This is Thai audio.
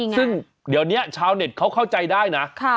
ซึ่งเดี๋ยวนี้ชาวเน็ตเขาเข้าใจได้นะ